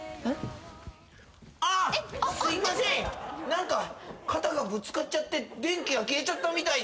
何か肩がぶつかっちゃって電気が消えちゃったみたいで。